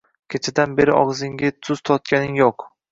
kechadan beri og‘zingga tuz totganing yo‘q-q!